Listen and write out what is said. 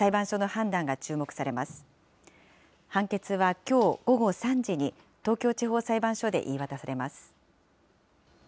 判決はきょう午後３時に、東京地方裁判所で言い渡されます。